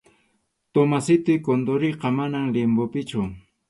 Tomasitoy Condoriqa, manam limbopichu.